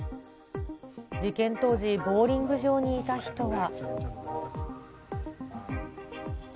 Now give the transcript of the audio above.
事件当時、ボウリング場にいた人は。